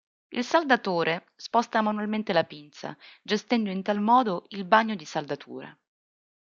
Il saldatore sposta manualmente la pinza, gestendo in tal modo il "bagno di saldatura".